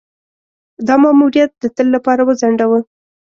دا ماموریت د تل لپاره وځنډاوه.